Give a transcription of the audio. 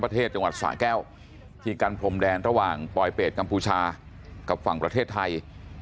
ที่กันพรมแดนระหว่างปลอยเป็ดกำผูชากับฝั่งประเทศไทย